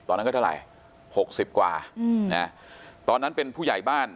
ตอนนั้นก็เท่าไรหกสิบกว่าอืมนะฮะตอนนั้นเป็นผู้ใหญ่บ้าน